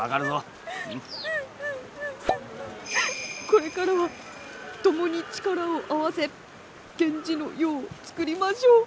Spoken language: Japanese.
これからはともに力を合わせ源氏の世をつくりましょう。